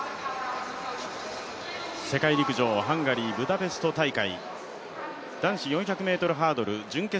世界陸上ハンガリー・ブダペスト大会。